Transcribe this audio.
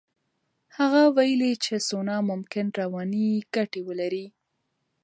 هغه ویلي چې سونا ممکن رواني ګټې ولري.